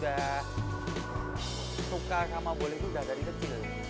dia sudah suka sama bowling itu dari kecil